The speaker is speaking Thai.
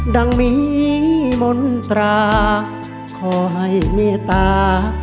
ดังมีมนตราขอให้เมตตา